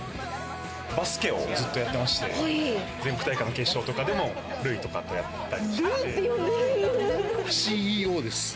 バスケをずっとやってまして、全国大会の決勝とかでも塁とかとやったり。